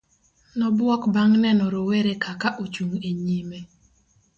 nobuok bang' neno roweraka ka ochung' e nyime